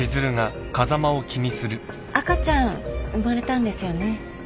赤ちゃん生まれたんですよね。